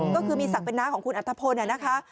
ก็คือมีศักดิ์เป็นน้าของคุณอัธพลนะคะ